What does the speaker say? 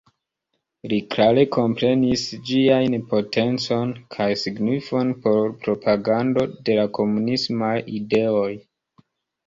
Li klare komprenis ĝiajn potencon kaj signifon por propagando de la komunismaj ideoj.